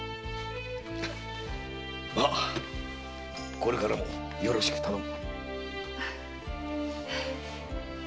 まこれからもよろしく頼む。